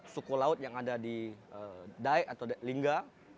suku laut yang ada di dae atau lingga